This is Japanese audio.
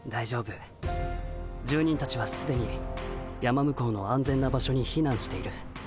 住人たちはすでに山向こうの安全な場所にひなんしている。